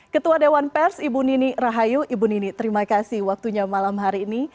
ketua dewan pers ibu nini rahayu ibu nini terima kasih waktunya malam hari ini